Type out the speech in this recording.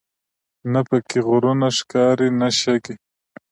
نه په کې غرونه ښکاري نه شګې.